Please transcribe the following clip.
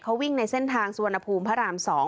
เขาวิ่งในเส้นทางสุวรรณภูมิพระราม๒